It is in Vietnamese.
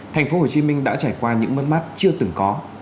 thành phố hồ chí minh đã trải qua những mất mát chưa từng có